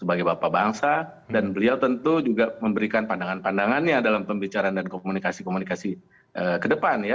sebagai bapak bangsa dan beliau tentu juga memberikan pandangan pandangannya dalam pembicaraan dan komunikasi komunikasi ke depan ya